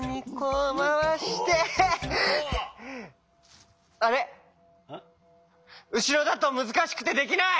うしろだとむずかしくてできない！